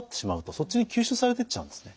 そっちに吸収されていっちゃうんですね。